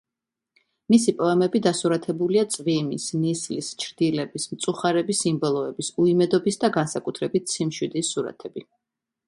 მისი პოემები დასურათებულია წვიმის, ნისლის, ჩრდილების, მწუხარების სიმბოლოების, უიმედობის და განსაკუთრებით სიმშვიდის სურათები.